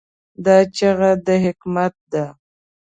دا چیغه د حکمت ده.